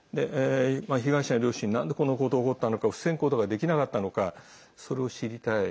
被害者の両親はなんでこんなことが起こったのか防ぐことができなかったのかそれを知りたい。